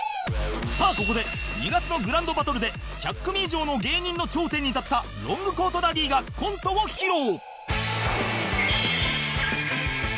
さあここで２月の「グランドバトル」で１００組以上の芸人の頂点に立ったロングコートダディがコントを披露